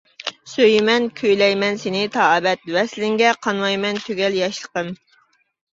سۆيىمەن، كۈيلەيمەن سېنى تا ئەبەد، ۋەسلىڭگە قانمايمەن تۈگەل ياشلىقىم.